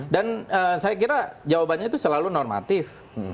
dan saya kira jawabannya selalu normatif